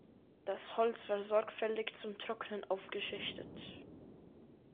Das Holz war sorgfältig zum Trocknen aufgeschichtet.